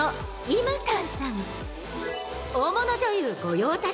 ［大物女優御用達。